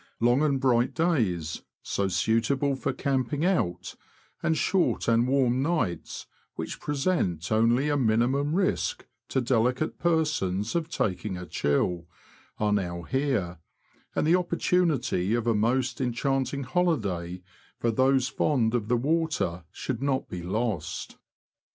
Long and bright days, so suitable for camping out, and short and warm nights, which present only a minimum risk to delicate persons of taking a chill, are now here, and the opportunity of a most enchanting holiday for those fond of the water should not be lost.